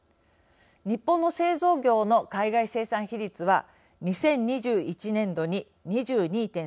日本の製造業の海外生産比率は２０２１年度に２２．３％。